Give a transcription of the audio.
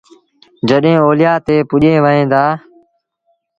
جڏهيݩ اوليآ تي پُڄيٚن وهيݩ دآ